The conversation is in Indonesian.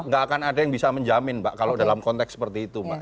gak akan ada yang bisa menjamin mbak kalau dalam konteks seperti itu mbak